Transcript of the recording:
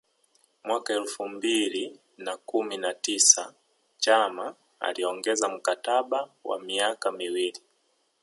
Mwaka elfu mbili na kumi na tisa Chama aliongeza mkataba wa miaka miwili